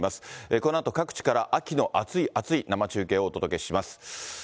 このあと、各地から秋のあついあつい生中継をお届けします。